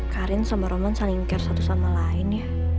karin sama roman saling care satu sama lain ya